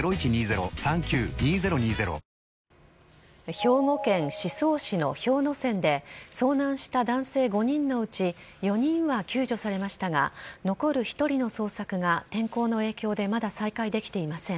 兵庫県宍粟市の氷ノ山で、遭難した男性５人のうち４人は救助されましたが、残る１人の捜索が天候の影響でまだ再開できていません。